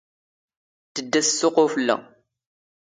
ⵜⴷⴷⴰ ⵙ ⵙⵙⵓⵇ ⵓⴼⵍⵍⴰ.